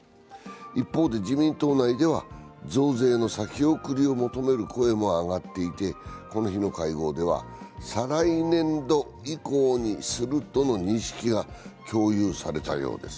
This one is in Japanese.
一方で、自民党内では増税の先送りを求める声が上がっていてこの日の会合では、再来年度以降にするとの認識が共有されたようです。